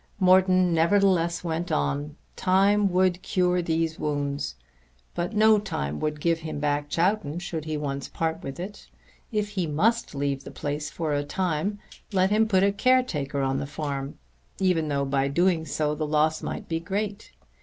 Morton nevertheless went on. Time would cure these wounds; but no time would give him back Chowton should he once part with it. If he must leave the place for a time let him put a caretaker on the farm, even though by doing so the loss might be great.